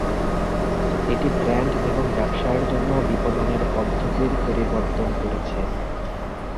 এটি ব্র্যান্ড এবং ব্যবসায়ের জন্য বিপণনের পদ্ধতির পরিবর্তন করেছে।